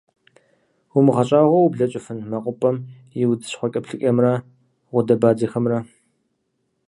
УмыгъэщӀагъуэу ублэкӀыфын мэкъупӀэм и удз щхъуэкӀэплъыкӀэхэмрэ гъудэбадзэхэмрэ!